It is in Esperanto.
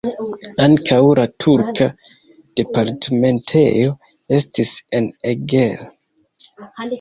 Ankaŭ la turka departementejo estis en Eger.